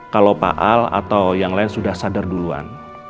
kalau pak al atau yang lain sudah sadar duluan